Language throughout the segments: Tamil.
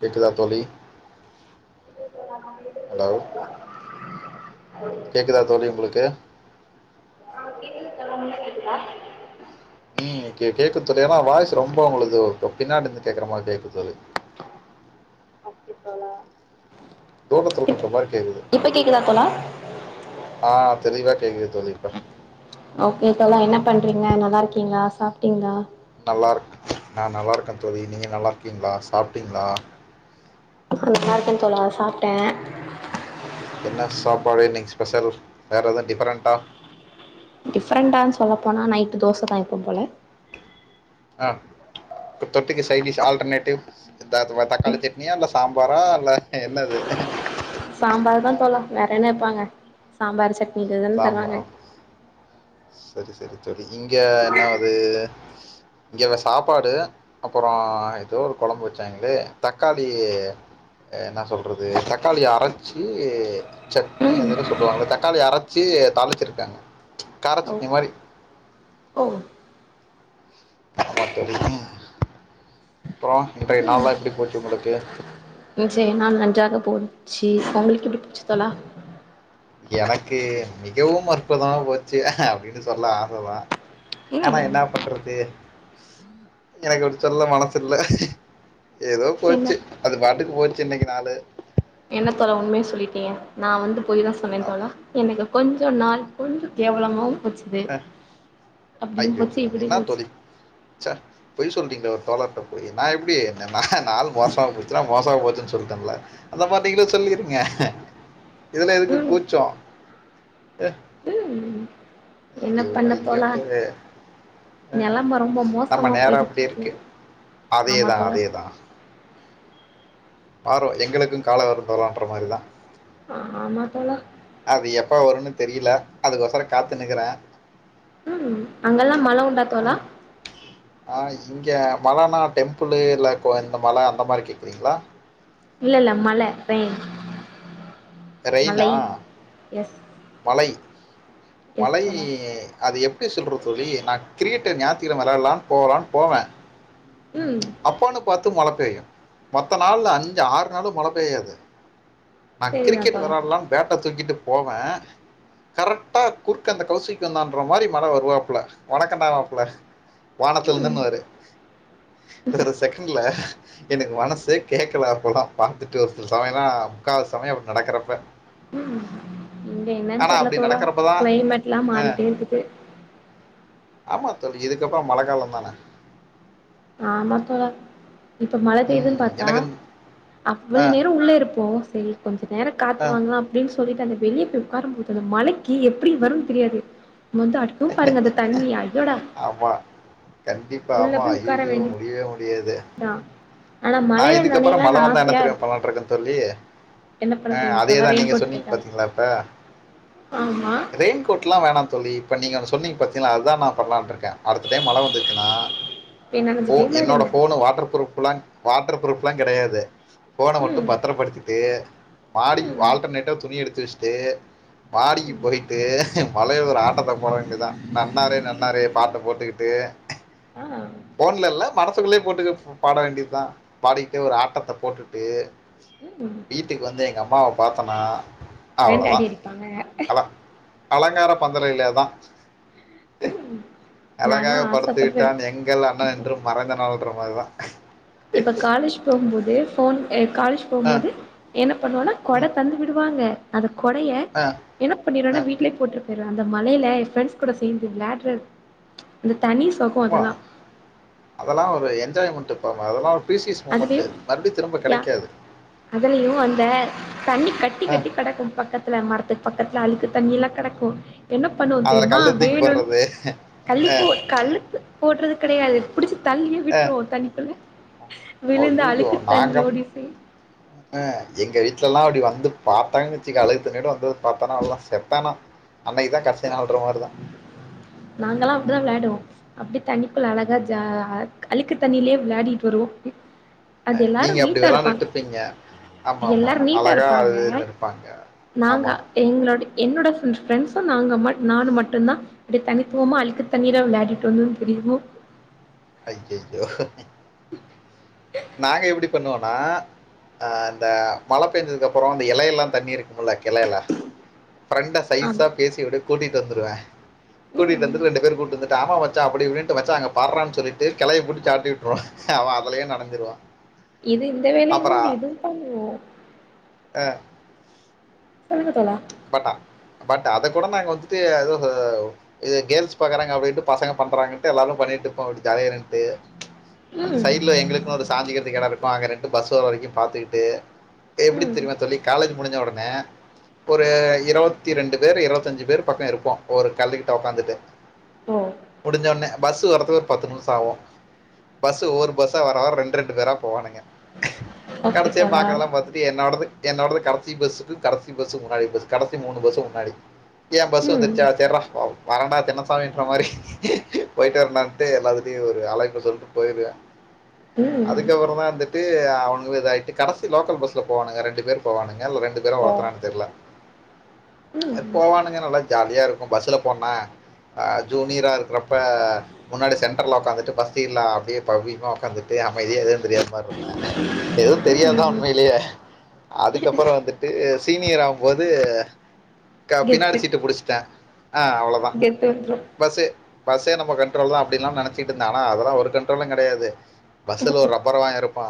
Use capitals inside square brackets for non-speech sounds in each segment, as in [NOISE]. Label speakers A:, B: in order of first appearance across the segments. A: கேக்குதா தோழி ஹலோ கேக்குதா தோழி உங்களுக்கு
B: தோழா உங்களுக்கு கேக்குதா
A: உம் கேக்குத் தோலி ஏனா வாய்ஸ் ரொம்ப உங்ளது பின்னாடி இருந்து கேக்குற மாரி கேக்குதுதோலி
B: ஓகே தோழா இப்
A: தூரத்துலருக்கிற மாரி கேக்
B: இப்ப கேக்குதா தோலா
A: ஆஹ் தெளிவா கேக்குது தோலி இப்ப
B: ஓகே தோலா என்ன பண்றீங்க நல்லா இருக்கீங்களா சாப்டீங்களா
A: நல்லா இருக்க நா நல்லா இருக்க தோலி நீங்க நல்லா இருக்கீங்களா சாப்ட்டீங்களா
B: நல்லா இருக்க தோலா சாப்டே
A: என்ன சாப்பாடு இன்னைக்கி ஸ்பெஷல் வேற எதுவு டிஃப்ரெண்டண்டா
B: டிஃப்ரெண்டான்னு சொல்லபோனா நைட்டு தோச தா எப்புபோவ
A: ஆஹ தொட்டுக்க சைடிஷ் ஆல்டர்னேட்டிவ் எதாது தக்காளி சட்னியா இல்ல சாம்பாரா இல்ல என்னது
B: சாம்பார் தா தோலா வேற என்ன வெப்பாங்க சாம்பார் சட்னி இதுதான தருவாங்க
A: சாம்பார் செரி செரி செரி இங்க என்ன ஆது இங்க சாப்பாடு அப்புரோ ஏதோ ஒரு குழம்பு வெச்சாங்களே தக்காளி என்ன சொல்றது தக்காளி அரச்சி சட்னி
B: ம்
A: அதென்னா சொல்லுவாங்களே தக்காளி அரச் ச்சி தாளிச்சிருக்காங்க கார
B: ஓ
A: சட்னி மாரி
B: ஓ
A: ஆமா தோலி உம் அப்ரோ இன்றைய நாள்லா எப்டி போச்சி உங்களுக்கு
B: உம் இன்றைய நாள் நன்றாக போச்சி உங்களுக்கு எப்டி போச்சி தோலா
A: எனக்கு மிகவும் அற்புதமா போச்சி அப்டின்னு சொல்ல ஆச தா ஆனா
B: ம்
A: என்ன பண்றது எனக்கு அப்டி சொல்ல மனசு இல்ல ஏதோ
B: என்ன
A: போச்சி அது பாட்டுக்கு போச்சி இன்னைக்கு நாலு
B: என்ன தோலா உண்மைய சொல்லிட்டீங்க நா வந்து பொய் தா சொன்னே தோலா எனக்கு கொஞ்சோ நாள் கொஞ்சோ கேவலமாவு போச்சிது
A: அ
B: அப்டியு
A: ஐயய்யோ
B: போச்சி இப்டியு போச்சி
A: சொல்றீங்கோ ஒரு தோலர்ட்ட போயி நா எப்டி என்ன நாள் மோசமா போச்சினா மோசமா போச்சின்னு சொல்டன் ல அந்த மாரி நீங்களும் சொல்லிறுங்க இதுலா எதுக்கு
B: ம்
A: கூச்சோ
B: ம் என்ன
A: ஐய்யோ
B: பண்ண
A: ஐய்யோ
B: தோழா
A: ஹா ஹா
B: நெலம ரொம்ப
A: நம்ம
B: மோசமா
A: நரோ
B: போய்கிட்டு
A: அப்டி இருக்கு
B: ஆமா
A: அதேதா
B: தோழா
A: அதேதா பாரோ எங்களுக்கு காலோ வரு தோலான்ற மாரிதா
B: ஆ ஆமா தோலா
A: அது எப்ப வருனு தெரியல அதுக்கோசரோ காத்துனுக்குறே ந
B: உம் அங்கல்லா மல உண்டா தோலா
A: ம் ஆ இங்க மல னா டெம்புலு இல்ல கோ இந்த மலை அந்த மாரி கேட்குறீங்களா
B: இல்ல இல்ல மல ரெயின்
A: ரெய்னா
B: மழை எஸ்
A: மலை
B: எஸ்
A: மலை
B: தோழா
A: அது எப்டி சொல்றது தோழி நா கிரிக்கெட் ஞாத்தியமை விளாயாலா போகலா போவ
B: ம்
A: அப்போநு பாத் [UNINTELLIGIBLE] மலபெய்யூ மொத்த நாள்ள அஞ்சிஆறு என்னாலு மழ பெய்யாது நா
B: சரிதா
A: கிரிக்கெட்
B: தோழா
A: வெளைடலனு பேட்ட தூக்கிட்டு போவ கரெக்டா குற்க அந்த கவுசிக்கு வந்தான்ற மாரி மல வருவாப்புல வணக்கண்டாவப்புல வாணத்தில்
B: ம்
A: [UNINTELLIGIBLE] ஒரு செகண்ட்ல என்ன மனசு கேட்க அப்போலாம் பாார்த்துட்டு ஒரு சில சமயம் [UNINTELLIGIBLE] அப்படி நடக்கறப்ப
B: ம் இங்க என்னன்னு தெரியல
A: அப்படி
B: தோலா
A: நடக்கிறப்பதான்
B: கிளைமேட் எல்லாம் மாறிட்டே இருக்குக்து
A: ஆமா தோழி இதுக்கப்புறம் மழை காலம்தானே
B: ஆமாத்தோழா இப்ப மழை
A: ம்
B: பெயுதுன்னு பார்த்தா
A: எனக்கு இந்த- ஆ
B: அவ்வளவு நேரம் உள்ள இருப்போம் சரி கொஞ்சம் நேர
A: ஆ
B: காத்து வாங்கலாம் அப்படின்னு சொல்லி அந்த வெளியே போய் உட்காரும் போது அந்த மழைக்கு எப்படி வரும்னு தெரியாது முந்து அடிக்கும் பாருங்க அந்த தண்ணி அய்யோடா
A: ஆமா
B: உள்ள போய்
A: அய்யோ
B: வேண்டியதா
A: முடிய முடியாது
B: ஆனா
A: நான்
B: மழையில
A: இதுக்கப்புறம்
B: நனையலான்னு
A: மழை வந்தான் என்ன
B: ஆசையா
A: தெரியுமா
B: இருக்கு
A: பண்ணலாம் இருக்கேன் தோழி
B: என்ன பண்ண போறீங்க
A: அதே
B: இப்பல்லா
A: தான்
B: ரெயின்
A: நீங்க
B: கோட்
A: சொன்னிங்க
B: போட்டா
A: பாத்தீங்களா இப்ப
B: ஆமா
A: ரெயின்கோட் எல்லாம் வேணாம் தோழி இப்ப நீங்க அத சொன்னிங்க பாத்தீங்களா அது தான் நான் பண்ணலான்றேன் இருக்க அடுத்த டைம் மழ வந்துச்சுன்னா
B: போய் நனஞ்சிட்டே
A: என்னோட
B: விளாடுங்க
A: போனு வாட்டர் பரூப்ல்ல வாட்டர் ப்ரூஃப் எல்லாம் கிடையாது போஃபனை மட்டும்
B: ம்
A: பத்திரப்படுத்திட்டு மாடி
B: ம்
A: ஆல்டர்னேட்டவ் துணி எடுத்துச்சுட் வைச்சுட்டு மாடிக்கு
B: ம்
A: போயிட்டு மழை ல ஒரு ஆட்டத்தை போட வேண்டியதான் நன்னாரே நன்னாரே பாட்ட போட்டுக்கிட்டு
B: ஆ
A: போன்லல்ல மனத்துக்குள்ளே போட்டு பாட வேண்டியது தான் பாடிக்க ஒரு ஆட்டத்தை போட்டுட்டு
B: ம்
A: வீட்டுக்கு வந்து எங்க அம்மா பா பா்த்தனா
B: வேண்ட அடி அடிப்பாங்க
A: அலங்கார பந்தலிலே தா
B: ம் நாலா
A: அழகாக
B: ஆசப்படுவே
A: படுத்துக்கிட்டான் எங்கள் அண்ணன் என்றும் மறைந்த நாள்ன்ற மாதிரிதா
B: இப்ப காலேஜ் போகும்போது ஃபோன் எப் காலேஜ்
A: ஆ,
B: போகும்போது என்ன பண்ணுவோனா கொட
A: ம்,
B: தந்து விடுவாங்க அத கொடைய
A: ஆ,
B: என்ன
A: ஆ.
B: பண்ணிருவேனா வீட்லயே போட்ருப் பொய்றுவ அந்த மழைல என் பிரெண்ட்ஸ் கூட சேந்து விளாட்றது அந்த தனி சொகோ
A: ஆமா
B: அதெல்லா
A: அதெலா ஒரு என்ஜாய்மெண்ட்டு [UNINTELLIGIBLE] அதெல்லா
B: அதுலயு யா அதுலயு அந்த தண்ணி கட்டி
A: ஆ,
B: கட்டி கடக்கு பக்கத்துல மரத்துக் பக்கத்துல அழுக்கு தண்ணியில்லா கெடக்கு என்ன பண்ணுவோ
A: அதுல
B: தெரியுமா
A: கல்லு தூக்கி
B: வேணுனு
A: போடுறது
B: கல்லி போ கல்ல போட்றதுக் கிடையாது புடிச்சுப் தள்ளியே விட்ருவோ தண்ணிக்குள்ள விழுந்து
A: ஐயயோ
B: அழுக்கு
A: நாங்கப்
B: தண்ணியோடி சேந்து
A: ஆ எங்க வீட் ட்ல லா அப்டி வந்து பாத்தாங்கனு வச்சிக்க அழகு தண்ணீயோட வந்தத பாத்தா நா அவ்ளோதா செத்த நா அன்னைக்குதா கடைசி நாள்ன்ற மாரி தா
B: நாங்கல்லா அப்டிதா விளையாடுவோ அப்டி தண்ணக்குள்ள அழகா ஜா அழுக்கு தண்ணியிலயே விளையாடிட்டு வருவோ அது எல்லாரு
A: நீங்க அப்படி
B: நீட்டா இருப்பாங்க
A: விளாண்டுட்டு இருப்பீங்க ஆமா ஆமா
B: எல்லாரு நீட்டா
A: அழகா அது
B: இருப்பாங்க
A: இருப்பாங்க
B: நாங்க
A: ஆமா
B: எங்களோட என்னோட பிரண்ட்ஸ் ப்ப நாங்க மட் நானு மட்டுதா அப்டி தனித்துவமா அழுக்கு தண்ணீரா விளையாடிட்டு வந்தேனு தெரிவோ
A: ஐய்யயோ நாங்க எப்டிப் பண்ணுவனா ஆ இந்த மழ பெஞ்சதுக்கு அப்பறோ அந்த எலையெல்லா தண்ணிரி குமுள்ள கெளையெல்லா பிரண்ட்ட
B: ஆம்
A: சய்சா பேசி விடு கூட்டிவந்துருவ கூட்டிட்
B: ம்
A: வந்துட்டு ரெண்டு பேரும் கூட்வந்து ஆமா வந் மச்சா அப்டி இப்டின்டு மச்சா அங்க பார்ரான்னு சொல்லிட்டு கெளைய புடுச்சு ஆட்டி விட்ருவோ அவ அதுலயே நெனஞ் சிருவா
B: இது இந்த வேலயு உண்டு இதுவு பண்ணுவோ
A: அ
B: தோழா
A: பட்டா பட் ட் அத கூட நாங்க வந்துட்டு ஏதோ இது கேள்ஸ் பாறாங்க அப்டின்ட்டு பசங்க பண்றாங்கட்டு எல்லாரு பண்ணிட்டு இருப்போம் ஜாலியா நின்ட்டு அந்த
B: ம்
A: சைடுல எங்களுக்குன் ஒரு சாஞ்சிக்கிறதுக்கு எடோ இருக்கூ அங்க ரெண்டு பஸ் தோ வரைக்கூ பாத்துக்கிட்டு எப்டி
B: ம்
A: தெரியுமா தோழி காலேஜ் முடிஞ்சவுட ன ஒரு இருவத்தி ரெண்டு பேர் இருவத்தஞ்சு பேர் பக்கோ இருப்போ ஒரு கல்லுக்ட ஒக்காந்துட்டு
B: ஓ
A: முடிஞ்சோன்னே பஸ்ஸு வரதுக்கு ஒரு பத்து நிமிஷோ ஆவூ பஸ்ஸு ஒவ்வொரு பஸ்ஸா வர வர ரெண் ரெண்டு பேரா போவானுங்க
B: ஓகே
A: கடைசியா
B: தோழா
A: பாக்குறதெல்லா பாத்துட்டு என்னோடது என்னோடது கடசி பஸ்ஸுக்கு கடஸ் பஸ்ஸுக் முன்னாடி பஸ் கடசி மூணு பஸ்ஸுக்கு முன்னாடி கியா பஸ்ஸு
B: ம்
A: வந்துச்சா சர்ரா வரண்டா தின்னசாமின்ற மாரி போயிட்டு வரண்டான்ட்டு எல்லாத்துட்டயூ ஒரு அழைப்ப சொல்ட்டு போயிருவே
B: ம்
A: அதுக்கப்றந்தா வந்துட்டு அ அவனுங்களு இதாயிட்டு கடசி லோக்கல் பஸ்ல போவானுங்க ரெண்டு பேர் போவானுங்க நேர்ல ரெண்டு பேரூ
B: ஓ
A: ஒருத்தரான்
B: ம்
A: அது
B: ம்
A: போவானுங்க நல்லா ஜால் யா இருக்கூ பஸ்ல போன்னா ஆ ஜூனியரா இருக்றப் ப முன்னாடி சென் டர்ல ஒக்காந்துட்டு ஃபஸ்ட் சீட்ல அப்டியே பவ்யமா ஒக்காந்துட்டு அமைதியா எதயாவ் தெரியாத மாரி இருந்தே எதூம் தெரியாதுதா உண்மைலியே அதுக்கப்றோ வந்துட்டு சீனியர் ஆவும்போது க பின்னாடி
B: கெத்து
A: சீட்டு புடிச்சிட்டே ஆ அவ்ளோதா
B: கெத்து வந்துரும்
A: பஸ்ஸு பஸ்ஸே நம்ம கண்ட்ரோல் தா அடின்லா நெனச்சிட்ருந்தே ஆனா அதெல்லா ஒரு கண்ட்ரோலூ கெடயாது பஸ்ஸுல ஒரு ரப்பர் வாய இருப் பா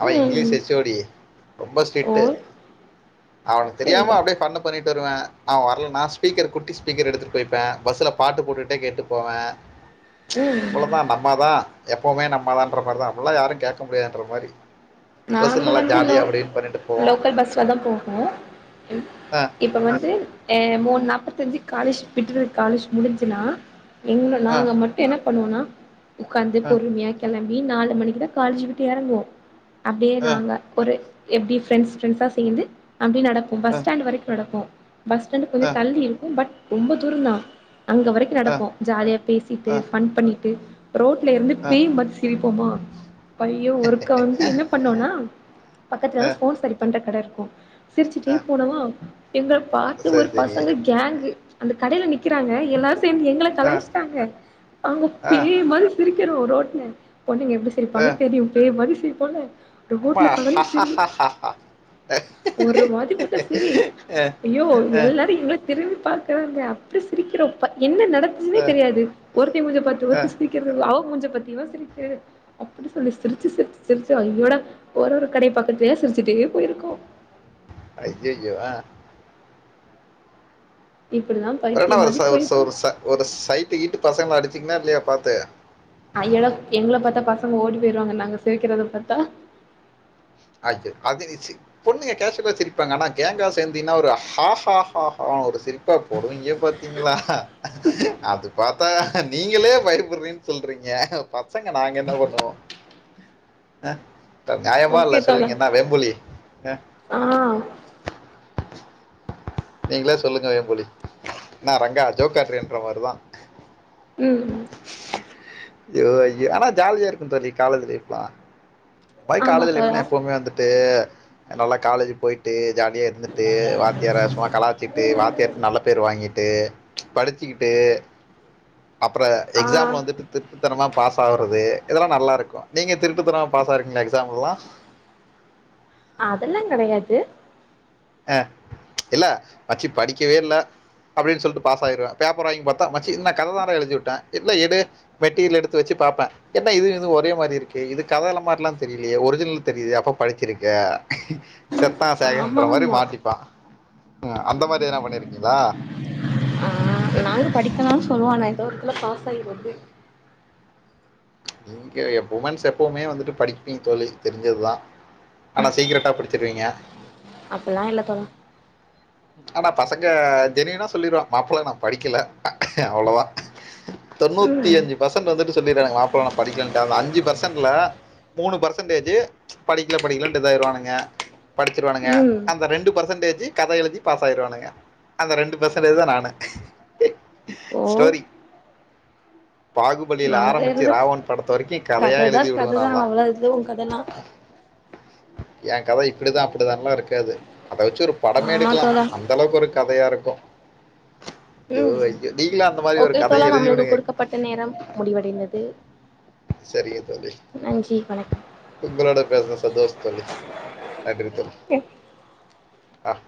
A: அவ இங்க்லீஷ்
B: ம்
A: எச் ஓ டி ரொம்ப
B: ஓ
A: ஸ்ட்ரிக்ட்டு அவனுக் தெரியாம
B: சரிதான்
A: அப்டியே ஃபன்னு பண்ணிட் தருவே அவ வரலனா ஸ்பீக்கர் குட்டி ஸ்பீக்கர் எடுத்துட்டு போய்ப்பே பஸ்ஸுல பாட்டு போட்டுட்டே கேட்டு போவே
B: ம் ம் ம்
A: ம தா எப்பவ்மே நம்ம தான்ற மாரிதா அப்பல்லா யாரூ கேக்க முடியாதுன்ற மாரி
B: நாங்க
A: பஸ்ஸுல நல்லா ஜாலியா அப்டின் பண்ணிட்டு போவோ
B: போகும் இ இப்ப வந்து மூணு அ நாப்பது செஞ்சு காலேஜ் விட்டுரு காலேஜ் முடிஞ்சுன்னா எங்க
A: ஆ,
B: நாங்க மட்டும் என்ன பண்ணோண்ணா உக்காந்து
A: ஆ, ஆ,
B: பொறுமையா கெளம் பி நாலு மணிக்குதான் காலேஜ் விட்டு எறங்குவோம் அப்டியே
A: ஆ,
B: நாங்க எப் எப்டி ப்ரெண்ட்ஸ் ப்ரெண்ட்ஸா சேந்து அப்டியே நடப்போம்
A: ஆ,
B: பஸ் ஸ்டாண்ட் வரைக்கும் நடப்போம் பஸ் ஸ்டாண்டு கொஞ்ச
A: ஆ,
B: தள்ளி இருக்கும் பட் ரொம்ப தூரோனா அங்க வரைக்கு நடப்போ ஜாலியா பேசிட்டு
A: ஆ,
B: ஃபன் பண்ணிட்டு ரோட்ல இருந்து
A: ஆ,
B: பேய் மாரி சிரிப் போமா பைய ஒருக்கா வந்து என்ன பண்ணோனா பக்கத்துலா
A: ஆ,
B: ஃபோன் சரி பன் ற கடை இருக்கும்
A: ஆ.
B: சிரிச்சிட்டே போனமா எங்கள பாத்து ஒரு
A: சரி சரி
B: பசங்க கேங்கு அந்த கடையில நிக்கிறாங்க எல்லா சேந்து எங்கள
A: ஆ,
B: கலாய்ச்சிட்டாங்க அவுங்க
A: ஆ,
B: பேய் மாரி சிரிக் கிறோம் ரோட்ல பொண்ணுங்க எப்டி
A: ஆ.
B: சிரிப்பாங்க தெரியு பேய் மாரி சிரிப் பொண்ணு
A: அம்மா
B: ல கலந்து சிரி ஒரு வாட்டி மட்டு சிரி ஐயோ எல்லாரும் எங்கள திரும்பி பாக்கறாங்க அப்டி சிரிக்கரோ ப என்ன ந டந்துச்சுனே தெரியாது ஒருத்தி மூஞ்சி பாத்து ஒருத்தி சிரிக்கிறது அவ மூஞ்சி பத்தி இவ சிரிக்க அப்டி சொல்லி சிரிச்சு சிரிச்சு சிரிச்சு அய்யோடா ஒருரொரு கடை பக்கத்துலயா சிரிச்சுட்டே போயிருக்கோ
A: அய்யய்யோ அ
B: இப்டிதா
A: வேனா
B: பைத்தியம்
A: ஒரு
B: மாரி
A: சோ சோ ச
B: போயிருக்கு
A: ஒரு ச ஒரு சைட்டு ஈட்டு பசங்க அடிச்சிங்கன்னா லயா பாத்து
B: அய்யோடா எங்கள பாத்தா பசங்க ஓடி போயிருவாங்க நாங்க சிரிக்கறத பாத்தா
A: அய்யோ அது ச்சு பொண்ணுங்க கேஷுவலா சிரிப்பாங்க ஆனா கேங்கா சேர்ந்தீன்னா ஒரு ஹாஹா ஹாஹா ஒரு சிரிப்பா போடுவீங்க பாத்தீங்களா ஹா அது பாத்தா ஹ நீங்களே பயப்படுறீனு சொல்றீங்க பசங்க நாங்க என்ன பண்ணுவோ ஆஹ் [UNINTELLIGIBLE] நியாயமால்ல
B: ஓகே தோழா
A: சொல்லுங்க என்ன வேம்புலி ஆஹ்
B: ஆ
A: நீங்களே சொல்லுங்க வேம்புலி, என்ன ரங்கா ஜோக்காட்ரியான்ற மாரிதா
B: உம் ஹும்
A: அய்யோ அய்யோ ஆனா ஜாலியா இருக்குன் தோழி காலேஜ் லைஃப்லா பாய்
B: ஆமா
A: காலேஜ் லைஃப்னா
B: தோழா
A: எப்பவுமே வந்துட்டு நல்லா காலேஜு போயிட்டு ஜாலியா இருந்துட்டு வாத்தியார சும்மா கலாய்ச்சிட்டு வாத்தியார்ட்ட நல்ல பேர் வாங்கிட்டு ச் படிச்சுக்கிட்டு அப்புறம்
B: ஆ
A: எக்ஸாம்ல வந்துட்டு திருட்த்தனமா பாஸ் ஆவுறது இதெல்லாம் நல்லாருக்கும் நீங்க திருட்டு தன மா பாஸ் ஆயிருக்கிங்களா எக்ஸாம்லல்லாம்
B: அதெல்லாங் கெடையாது
A: ஆஹ் ச் இல்ல மச்சி படிக்கவே இல்ல அப்டின்னு சொல்ட்டு பாஸ் ஆயிருவேன் பேப்பர் வாங்கி பாத்தா மச்சி இது நா கததான்ட எழுதி வுட்டேன் இல்ல எடு மெட்டீரியல் எடுத்து வச்சு பாப்பேன் என்னா இது இதுவும் ஒரே மாரி இருக்கு இது கத எழுதுன மாரில்லாம் தெரிலயே ஒரிஜினல் தெரியுதே அப்ப படிச்சிருக்க செத்தான் சேகரன்
B: ஆமா
A: ர மாரி
B: ஆமா
A: மாட்டிப்பான் அந்தமாரி வேன் பண்ணிருக்
B: ஆஹ் நாங்க படிக்கலான்னு சொல்லுவோ ஆனா ஏதோ அதல்லா பாஸ் ஆகி வந்து
A: ச் நீங்க உமன்ஸ் எப்பவுமே வந்துட்டு படிப்பீங்க தோழி தெரிஞ்சதுதான் ஆனா சீக்ரட்டா படிச்சிருவீங்க
B: அப்பல்லா இல்ல தோழா
A: ஆனா பசங்க ஜெனியுனா சொல்லிடுவோ மாப்ள நான் படிக்கல அவ்ளோதா தொண்ணூத்தி
B: ம்
A: அஞ்சு பர்சன்ட் வந்துட்டு சொல்லிடுவாங்க மாப்ள நான் படிக்கலன்டு அந்த அஞ்சு பர்சன்டல மூணு பர்ச பர்சன்டேஜு படிக்கல படிக்கலனு இதாறுவானுங்க படிச்சிருவானுங்க
B: ம்
A: அந்த ரெண்டு பர்சன்டேஜு கத எழுதி பாஸ் ஆயிருவானுங்க அந்த ரெண்டு பர்சன்டேஜ் தான் நானு
B: ஓ
A: ஸ்டோரி பாகுபலியில
B: நாங்க
A: ஆரம்பிச்சு
B: இருந்த
A: ராவன் படத்த வரைக்கும் கதையா
B: கததா
A: எழுதி விடுவ
B: கததா
A: நான்லாம்
B: அவ்ளோ இது உ கதல்லா
A: என் கத இப்டிதான் அப்டிதான்லா இருக்காது அத வச்சு ஒரு படமே
B: ஆமா
A: எடுக்கலாம்
B: தோழா
A: அந்த அளவுக்கு ஒரு கதையா இருக்கு கு
B: உம்
A: ஒரு
B: ஓகே
A: கதையை
B: தோழா
A: எழுதி
B: நம்மளுக்கு
A: விடுங்க
B: குடுக்கப்பட்ட நேரம் முடிவடைந்தது
A: சேரிங்க தோழி
B: நன்றி வணக்கம்
A: உங்களோட பேசனது சந்தோஷோ தோழி நன்றி தோழி ஆஹ்